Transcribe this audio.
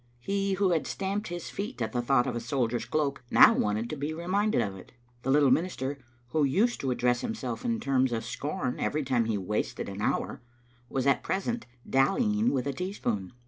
He who had stamped his feet at thought of a soldier's cloak now wanted to be reminded of it. The little minister, who used to address himself in terms of scorn every time he wasted an hour, was at present dallying with a teaspoon.